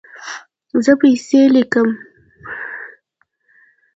زه پیسې لیکم